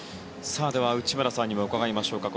では、内村さんにも伺いましょうか。